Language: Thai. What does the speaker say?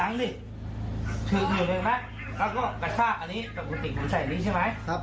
แล้วมันเข้ามาจากป้าม